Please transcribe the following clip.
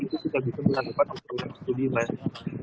itu bisa dikembangkan ke proses uji masing masing